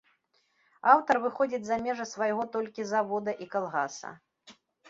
Аўтар выходзіць за межы свайго толькі завода і калгаса.